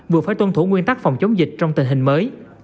vừa phải tuân thủ nguyên tắc phòng chống dịch trong tình hình mới